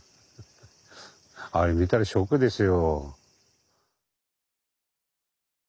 あれ見たらショックですよ。